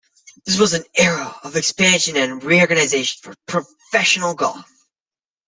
This was an era of expansion and reorganization for professional golf.